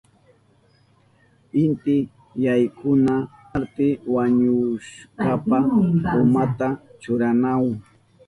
Inti yaykuna parti wañushkapa umanta churanahun.